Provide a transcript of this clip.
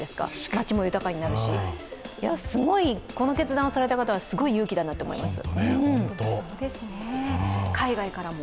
町も豊かになるし、この決断をされた方は勇気だと思います。